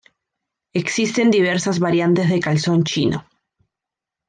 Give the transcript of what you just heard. Existen diversas variantes de calzón chino.